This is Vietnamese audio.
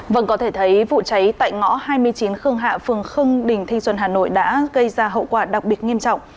vâng có thể thấy vụ cháy tại ngõ hai mươi chín khương hạ phường khương đình thanh xuân hà nội đã gây ra hậu quả đặc biệt nghiêm trọng